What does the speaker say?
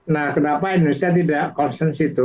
nah kenapa indonesia tidak konsen itu